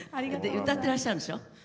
歌ってらっしゃるんでしょ？